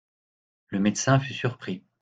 Le médecin fut surpris.